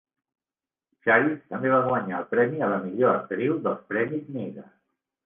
Sharif també va guanyar el premi a la millor actriu dels premis Nigar.